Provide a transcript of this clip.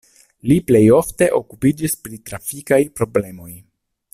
Li plej ofte okupiĝis pri trafikaj problemoj.